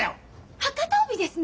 博多帯ですね！